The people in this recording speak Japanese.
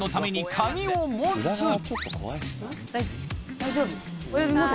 大丈夫？